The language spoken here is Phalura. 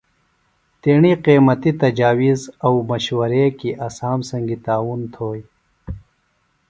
تیݨی قیمتی تجاویز او مشورے کیۡ اسام سنگی تعاون تھوئی۔